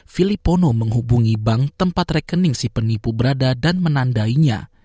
filip pono menghubungi bank tempat rekening si penipu berada dan menandainya